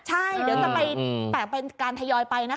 ใช่เดี๋ยวจะไปแตกเป็นการทยอยไปนะคะ